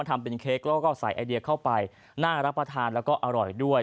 ทำเป็นเค้กแล้วก็ใส่ไอเดียเข้าไปน่ารับประทานแล้วก็อร่อยด้วย